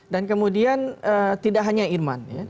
dan kemudian tidak hanya irman